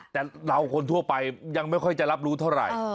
แต่เราคนทั่วไปยังไม่ค่อยจะรับรู้เท่าไหร่